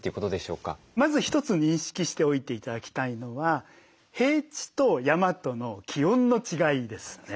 まず一つ認識しておいて頂きたいのは平地と山との気温の違いですね。